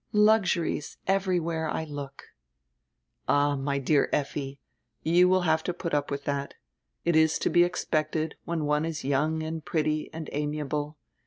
Luxuries, everywhere I look." "All, my dear Effi, you will have to put up with that. It is to be expected when one is young and pretty and amiable.